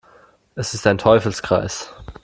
Es ist ein Teufelskreis.